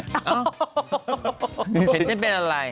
เห็นฉันเป็นอะไร